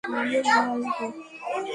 আমি আবার আসবো।